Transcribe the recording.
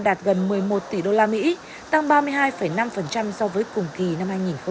đạt gần một mươi một tỷ usd tăng ba mươi hai năm so với cùng kỳ năm hai nghìn một mươi chín